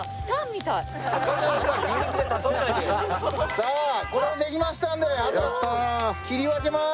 さぁこれでできましたんであと切り分けます。